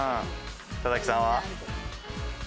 佐々木さんは？